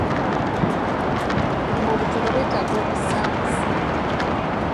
Obulimu obutono bwetaaga okussaamu ssente.